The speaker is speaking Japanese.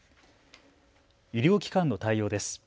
医療機関の対応です。